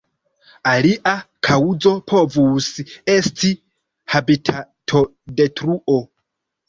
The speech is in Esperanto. Alia kaŭzo povus esti habitatodetruo.